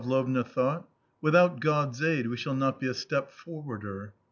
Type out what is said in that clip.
No," she thought, " without God's aid we shall not be a step forwarder."